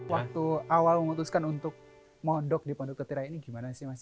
waktu awal memutuskan untuk modok di pondok ketira ini gimana sih mas